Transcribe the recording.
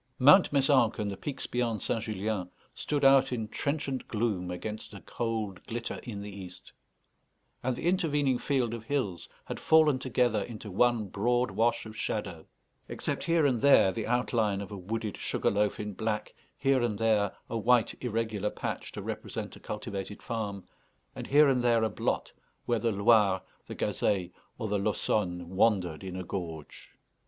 Mount Mézenc and the peaks beyond St. Julien stood out in trenchant gloom against a cold glitter in the east; and the intervening field of hills had fallen together into one broad wash of shadow, except here and there the outline of a wooded sugar loaf in black, here and there a white, irregular patch to represent a cultivated farm, and here and there a blot where the Loire, the Gazeille, or the Laussonne wandered in a gorge.